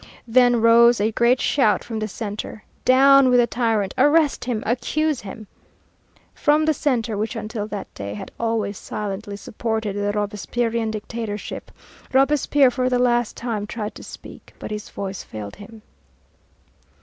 Then rose a great shout from the Centre, "Down with the tyrant, arrest him, accuse him!" From the Centre, which until that day had always silently supported the Robespierrian Dictatorship. Robespierre for the last time tried to speak, but his voice failed him.